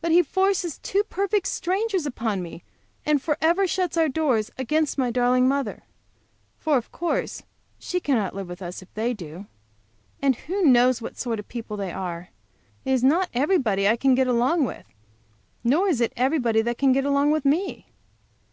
But he forces two perfect strangers upon me and forever shuts our doors against my darling mother. For, of course, she cannot live with us if they do. And who knows what sort of people they are? It is not everybody I can get along with, nor is it everybody can get along with me.